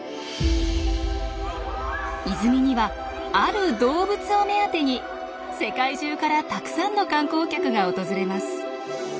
泉にはある動物を目当てに世界中からたくさんの観光客が訪れます。